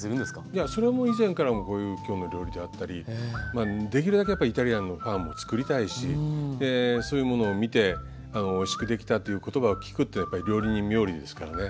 いやそれはもう以前からこういう「きょうの料理」であったりできるだけやっぱりイタリアンのファンも作りたいしそういうものを見ておいしくできたという言葉を聞くってやっぱり料理人冥利ですからね。